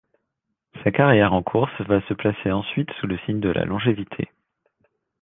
Sa carrière en course va se placer ensuite sous le signe de la longévité.